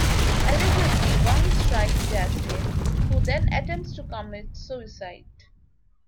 Allegedly Wang strikes Jasmine, who then attempts to commit suicide.